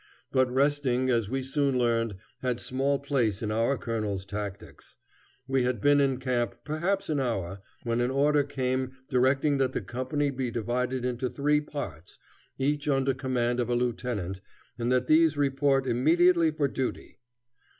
But resting, as we soon learned, had small place in our colonel's tactics. We had been in camp perhaps an hour, when an order came directing that the company be divided into three parts, each under command of a lieutenant, and that these report immediately for duty.